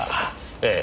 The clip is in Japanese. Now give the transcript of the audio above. ええ。